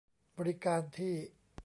บริการที่